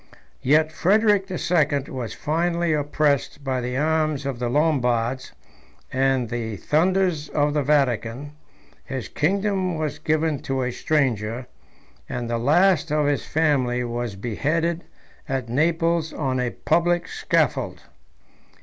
Yet Frederic the Second was finally oppressed by the arms of the Lombards and the thunders of the Vatican: his kingdom was given to a stranger, and the last of his family was beheaded at Naples on a public scaffold.